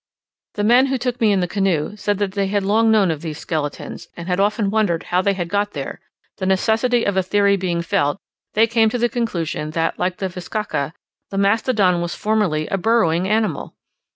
The men who took me in the canoe, said they had long known of these skeletons, and had often wondered how they had got there: the necessity of a theory being felt, they came to the conclusion that, like the bizcacha, the mastodon was formerly a burrowing animal!